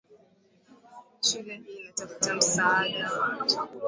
Shule hii inatafuta msaada wa chakula.